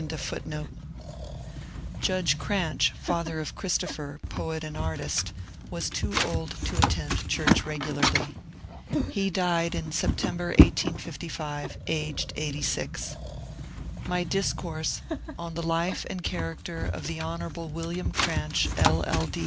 ^ Judge Cranch, father of Christopher, poet and artbt, was too old to attend church regularly. He died in September, 1855, aged eighty six. My discourse ^* On the Life and Charac ter of the Hon. William Cranch, LL.